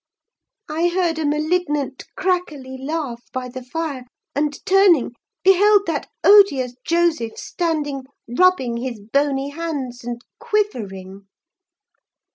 I heard a malignant, crackly laugh by the fire, and turning, beheld that odious Joseph standing rubbing his bony hands, and quivering.